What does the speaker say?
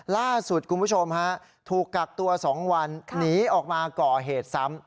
ล่าสุดคุณผู้ชมฮะถูกกักตัว๒วันหนีออกมาก่อเหตุซ้ำ